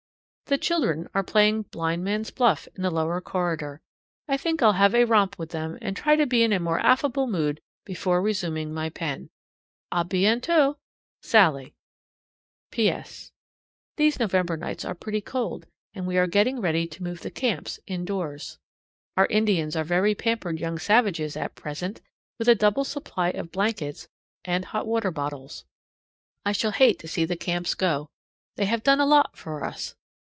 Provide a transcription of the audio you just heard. The children are playing blind man's buff in the lower corridor. I think I'll have a romp with them, and try to be in a more affable mood before resuming my pen. A BIENTOT! SALLIE. P.S. These November nights are pretty cold, and we are getting ready to move the camps indoors. Our Indians are very pampered young savages at present, with a double supply of blankets and hot water bottles. I shall hate to see the camps go; they have done a lot for us.